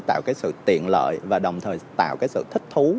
tạo cái sự tiện lợi và đồng thời tạo cái sự thích thú